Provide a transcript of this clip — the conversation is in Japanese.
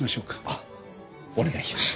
あお願いします。